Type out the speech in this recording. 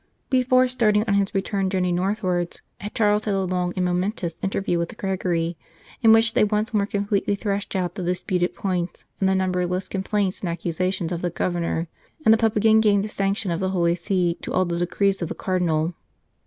Before starting on his return journey north wards, Charles had a long and momentous inter view with Gregory, in which they once more completely thrashed out the disputed points and the numberless complaints and accusations of the Governor, and the Pope again gave the sanction of the Holy See to all the decrees of the Cardinal.